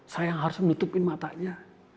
saya yang harus menutupin matanya